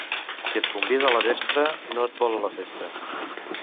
Qui et convida a la vespra no et vol a la festa.